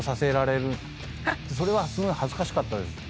それはすごい恥ずかしかった。